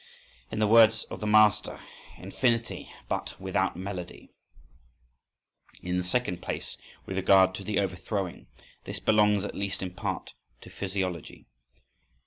… In the words of the master: infinity but without melody. In the second place, with regard to the overthrowing,—this belongs at least in part, to physiology.